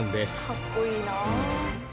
かっこいいなあ。